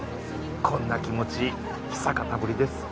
こんな気持ち久方ぶりです